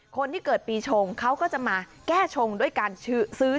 คนที่เกิดปีชงเขาก็จะมาแก้ชงด้วยการซื้อ